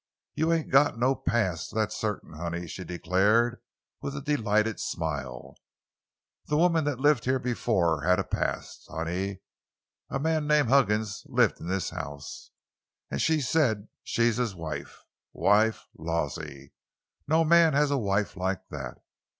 "You ain't got no 'past,' that's certain, honey," she declared, with a delighted smile. "The woman that lived here befo' had a past, honey. A man named Huggins lived in this house, an' she said she's his wife. Wife! Lawsey! No man has a wife like that!